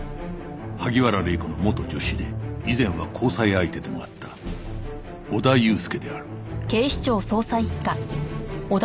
萩原礼子の元助手で以前は交際相手でもあった小田悠介である